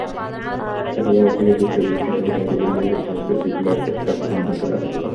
ছোটবেলা থেকে যেসব ইচ্ছেগুলো ডায়েরিবন্দী হয়ে থাকত, সেগুলো একেকটা পূরণ হতে লাগল।